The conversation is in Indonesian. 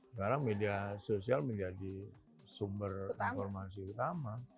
sekarang media sosial menjadi sumber informasi utama